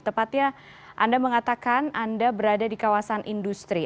tepatnya anda mengatakan anda berada di kawasan industri